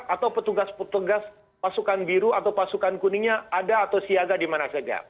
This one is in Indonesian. atau petugas petugas pasukan biru atau pasukan kuningnya ada atau siaga di mana saja